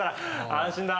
安心だ。